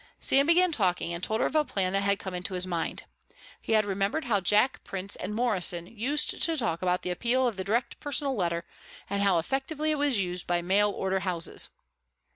Sam began talking and told her of a plan that had come into his mind. He had remembered how Jack Prince and Morrison used to talk about the appeal of the direct personal letter and how effectively it was used by mail order houses.